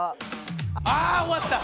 ああ終わった！